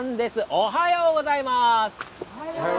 おはようございます。